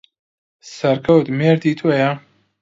سەرکەوت مێردی تۆیە؟